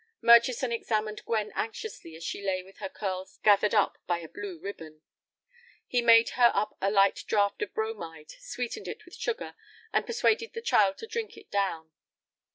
Murchison examined Gwen anxiously as she lay with her curls gathered up by a blue ribbon. He made her up a light draught of bromide, sweetened it with sugar, and persuaded the child to drink it down.